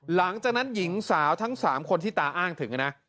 หลังจากนั้นหญิงสาวทั้ง๓คนที่ตาอ้างถึงนะ